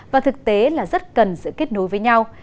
và thực tế là rất cần sự kết nối với nhau